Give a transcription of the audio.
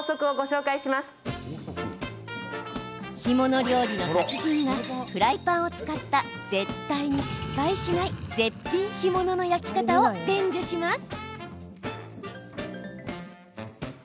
干物料理の達人がフライパンを使った絶対に失敗しない絶品干物の焼き方を伝授します。